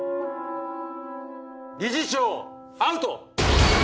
理事長アウト！